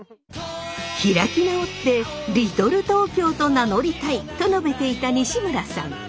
開き直って「リトル東京」と名乗りたいと述べていた西村さん。